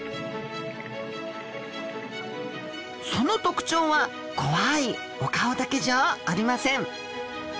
その特徴は怖いお顔だけじゃありません。